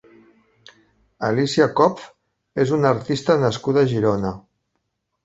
Alicia Kopf és una artista nascuda a Girona.